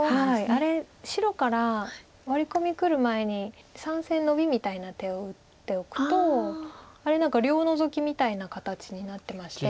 あれ白からワリ込みがくる前に３線ノビみたいな手を打っておくとあれ何か両ノゾキみたいな形になってまして。